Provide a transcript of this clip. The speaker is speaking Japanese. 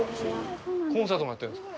コンサートもやってるんですか？